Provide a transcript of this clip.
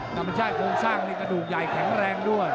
แต่มันจะโมงสร้างในนี้กระดูกใหญ่แข็งแรงด้วย